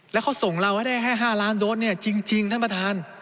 แล้วเขาส่งเราให้ได้แค่๕ล้านโดสเนี่ยจริงท่านประธาน